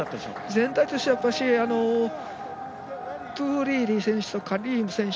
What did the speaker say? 全体としてはトゥリーリ選手とカリーム選手。